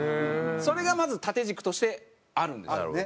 それがまず縦軸としてあるんですよ。